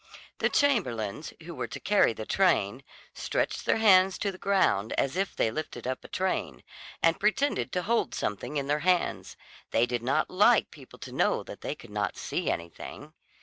The chamberlains, who were to carry the train, stretched their hands to the ground as if they lifted up a train, and pretended to hold something in their hands; they did not like people to know that they could not see anything.